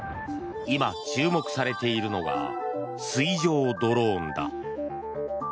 今、注目されているのが水上ドローンだ。